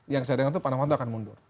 yang saya dengar itu pada waktu akan mundur